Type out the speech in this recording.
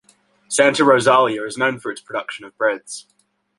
Santa Rosalia is known for its production of breads.